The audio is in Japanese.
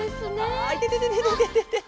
あっいててててててて。